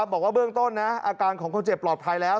บอกว่าเบื้องต้นนะอาการของคนเจ็บปลอดภัยแล้ว